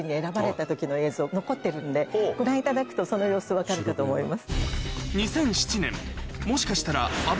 残ってるんでご覧いただくとその様子分かるかと思います。